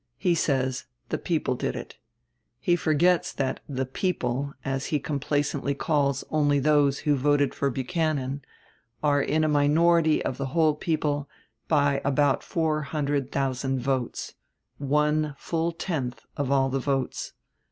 He says the people did it. He forgets that the "people," as he complacently calls only those who voted for Buchanan, are in a minority of the whole people by about four hundred thousand votes one full tenth of all the votes.